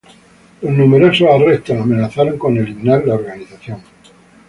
Los numerosos arrestos amenazaron con eliminar la organización.